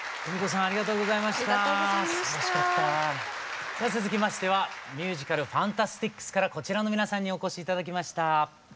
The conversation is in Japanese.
さあ続きましてはミュージカル「ファンタスティックス」からこちらの皆さんにお越し頂きました。